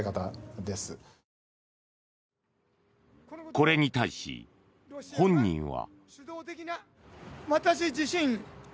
これに対し、本人は。